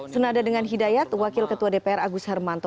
senada dengan hidayat wakil ketua dpr agus hermanto